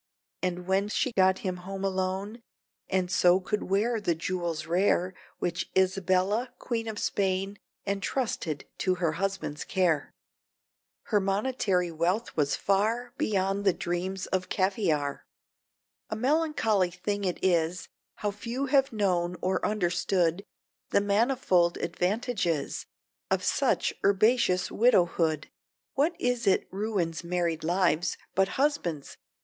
And when she got him home again, And so could wear the jewels rare Which Isabella, Queen of Spain, Entrusted to her husband's care, Her monetary wealth was "far Beyond the dreams of caviar!" A melancholy thing it is How few have known or understood The manifold advantages Of such herbaceous widowhood! (What is it ruins married lives But husbands